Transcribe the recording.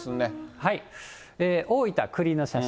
大分、くりの写真。